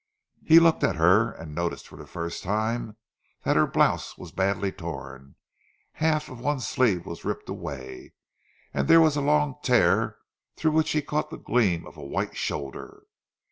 He looked at her and noticed for the first time that her blouse was badly torn. Half of one sleeve was ripped away, and there was a long tear through which he caught the gleam of a white shoulder.